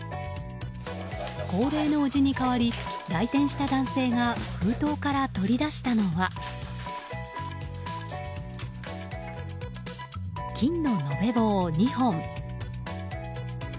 高齢の叔父に代わり来店した男性が封筒から取り出したのは金の延べ棒２本。